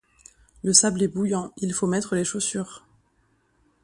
le sable est bouillant, il faut mettre les chaussures